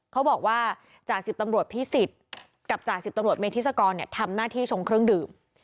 เขาบอกว่าจ่าสิบตำรวจพิสิทธิ์กับจ่าสิบตำรวจเมธิศกรทำหน้าที่ชงเครื่องดื่ม